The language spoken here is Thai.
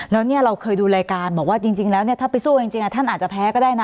แล้วเนี่ยเราเคยดูรายการบอกว่าจริงแล้วเนี่ยถ้าไปสู้จริงท่านอาจจะแพ้ก็ได้นะ